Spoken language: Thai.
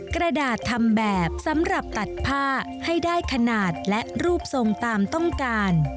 กระดาษทำแบบสำหรับตัดผ้าให้ได้ขนาดและรูปทรงตามต้องการ